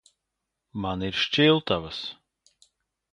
Man ir šķiltavas.